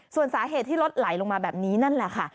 ส่วนสาเหตุที่รถไหลลงมาแบบนี้นั่นแหละค่ะ